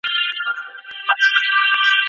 ميرمن په تيرو شپو کي د رجوع حق لري؟